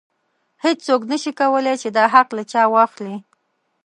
هیڅوک نشي کولی چې دا حق له چا واخلي.